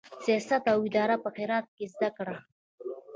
سیاست او اداره یې په هرات کې زده کړه.